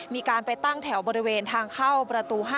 มีการไปตั้งแถวบริเวณทางเข้าประตู๕